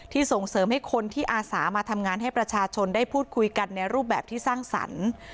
ส่งเสริมให้คนที่อาสามาทำงานให้ประชาชนได้พูดคุยกันในรูปแบบที่สร้างสรรค์